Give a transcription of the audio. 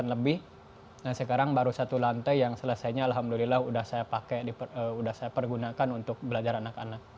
nah sekarang baru satu lantai yang selesainya alhamdulillah sudah saya pakai sudah saya pergunakan untuk belajar anak anak